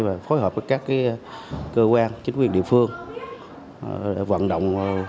và phối hợp với các cơ quan chính quyền địa phương